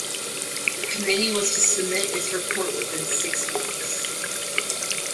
The committee was to submit its report within six weeks.